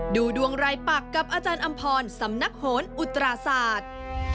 ดูดวงรายปักกับอาจารย์อำพรสำนักโหนอุตราศาสตร์